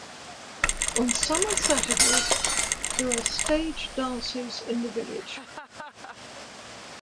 On summer Saturdays there are stage dances in the village.